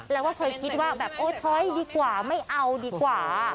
แล้วก็เคยคิดว่าแบบโอ๊ยถอยดีกว่าไม่เอาดีกว่า